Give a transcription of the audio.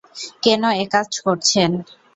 কেন একাজ করছেন?